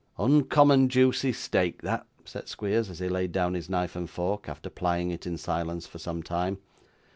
'Uncommon juicy steak that,' said Squeers, as he laid down his knife and fork, after plying it, in silence, for some time.